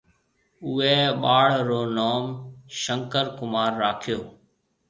اُوئي اُوئي ٻاݪ رو نوم شنڪر ڪمار راکيو۔